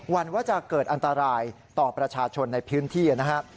วันว่าจะเกิดอันตรายต่อประชาชนในพื้นที่นะครับ